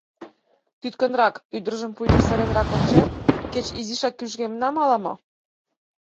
Тӱткынрак, ӱдыржым пуйто сыренрак ончен: кеч изишак кӱжгемын ала-мо?